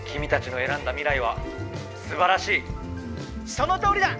「そのとおりだ！」。